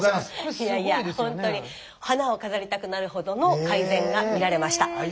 いやいやほんとに花を飾りたくなるほどの改善が見られました。